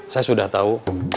saya sudah tahu